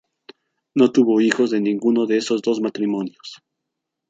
No tuvo hijos de ninguno de estos dos matrimonios.